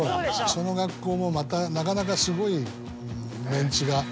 その学校もまたなかなかすごいメンツが。